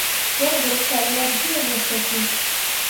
Zah go kallahvd̃ǝǝ ɓo sooke.